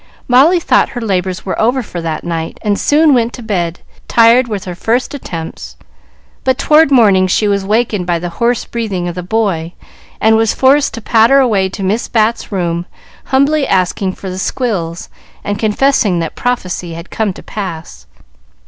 Molly thought her labors were over for that night, and soon went to bed, tired with her first attempts. But toward morning she was wakened by the hoarse breathing of the boy, and was forced to patter away to Miss Bat's room, humbly asking for the squills, and confessing that the prophecy had come to pass.